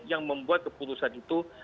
yang membuat keputusan itu